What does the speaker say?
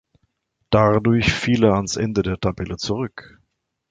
Dadurch fiel er ans Ende der Tabelle zurück.